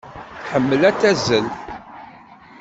Tḥemmel ad tazzel.